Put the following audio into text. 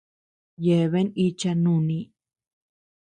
Yeabean icha nuni.